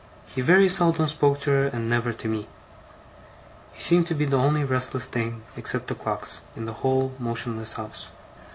He very seldom spoke to her, and never to me. He seemed to be the only restless thing, except the clocks, in the whole motionless house.